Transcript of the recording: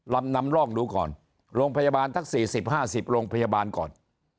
นำร่องดูก่อนโรงพยาบาลทั้ง๔๐๕๐โรงพยาบาลก่อน